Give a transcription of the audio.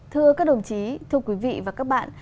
thưa các đồng chí thưa quý vị và các bạn